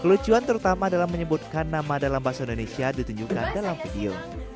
kelucuan terutama dalam menyebutkan nama dalam bahasa indonesia ditunjukkan dalam video